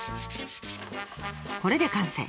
これで完成。